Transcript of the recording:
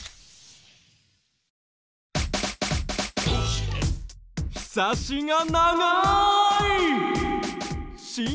ひさしが長い信号